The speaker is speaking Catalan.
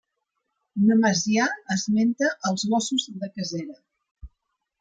Nemesià esmenta als gossos de casera.